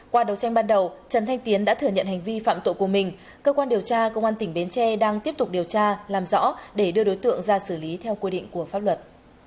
qua đấu tranh ban đầu trần thanh tiến đã thừa nhận hành vi phạm tội của mình cơ quan điều tra công an tỉnh bến tre đang tiếp tục điều tra làm rõ để đưa đối tượng ra xử lý theo quy định của pháp luật